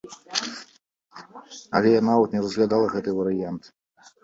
Але я нават не разглядала гэты варыянт!